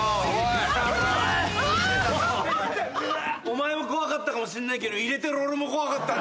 お前も怖かったかもしんないけど。